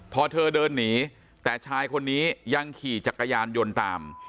พอเธอเดินหนีแต่ชายคนนี้ยังขี่จักรยานยนต์ตาม